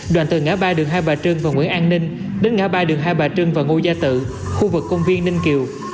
đoàn từ ngã ba đường hai bà trưng và nguyễn an ninh đến ngã ba đường hai bà trưng và ngôi gia tự khu vực công viên ninh kiều